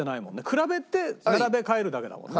比べて並べ替えるだけだもんね。